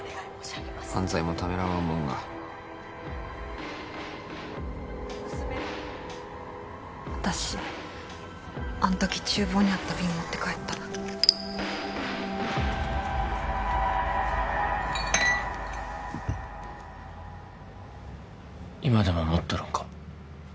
犯罪もためらわんもんが娘も私あん時厨房にあった瓶持って帰った今でも持っとるんか？